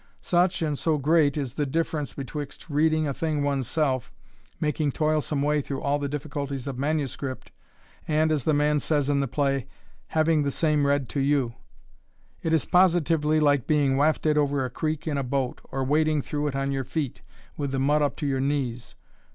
Such, and so great is the difference betwixt reading a thing one's self, making toilsome way through all the difficulties of manuscript, and, as the man says in the play, "having the same read to you;" it is positively like being wafted over a creek in a boat, or wading through it on your feet, with the mud up to your knees.